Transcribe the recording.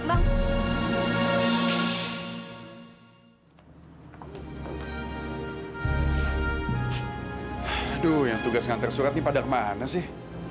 aduh yang tugas ngantar surat ini pada kemana sih